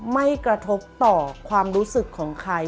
ไม่กระทบต่อความรู้สึกของใคร